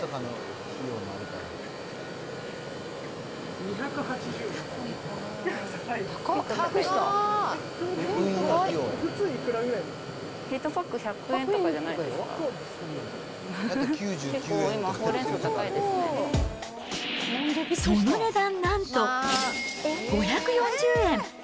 結構、今、その値段なんと、５４０円。